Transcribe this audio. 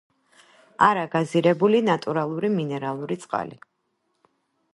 არა გაზირებული ნატურალური მინერალური წყალი